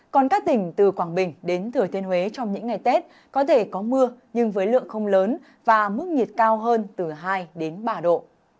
còn các tỉnh từ quảng bình đến thừa thiên huế trong những ngày tết có thể có mưa nhưng với lượng không lớn và mức nhiệt cao hơn từ hai đến ba độ